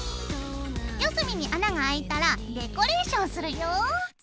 四隅に穴があいたらデコレーションするよ。